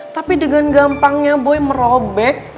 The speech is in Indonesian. tapi dengan gampangnya boy merobek